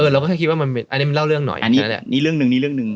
เราก็แค่คิดว่าอันนี้มันเล่าเรื่องหน่อยอันนี้แหละนี่เรื่องหนึ่งนี่เรื่องหนึ่ง